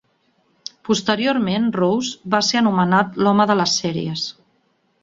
Posteriorment Rose va ser anomenat l'"home de les sèries".